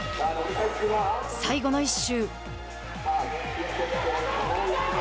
最後の１周。